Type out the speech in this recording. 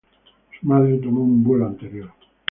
Su madre tomó un vuelo anterior.